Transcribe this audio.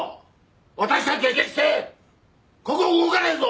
私は決してここを動かねえぞ！